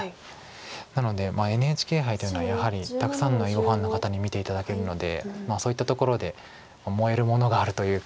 なのでＮＨＫ杯というのはやはりたくさんの囲碁ファンの方に見て頂けるのでそういったところで燃えるものがあるというか。